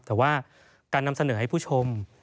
แต่ว่าการนำเสนอให้ผู้ชม